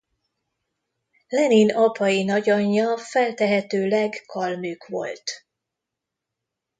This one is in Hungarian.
Lenin apai nagyanyja feltehetőleg kalmük volt.